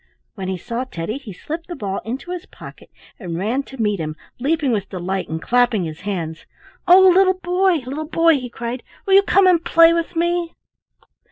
When he saw Teddy he slipped the ball into his pocket and ran to meet him, leaping with delight and clapping his hands. "Oh, little boy! little boy!" he cried, "will you come and play with me?"